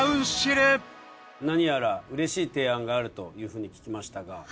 なにやらうれしい提案があるというふうに聞きましたが。